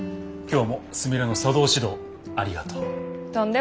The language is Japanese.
今日もすみれの茶道指導ありがとう。